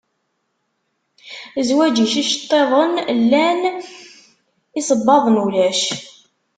Zwaǧ-is iceṭṭiḍen llan, isebbaḍen ulac.